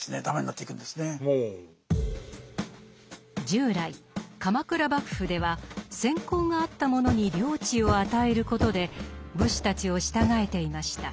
従来鎌倉幕府では戦功があった者に領地を与えることで武士たちを従えていました。